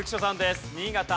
新潟。